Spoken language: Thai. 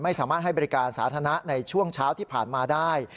ไม่สามารถให้บริการสาธารณะในช่วงเช้าที่ผ่านมาได้